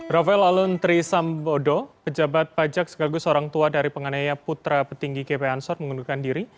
rafael aluntri sambodo pejabat pajak segagus orang tua dari penganiaya putra petinggi g p ansor mengundurkan diri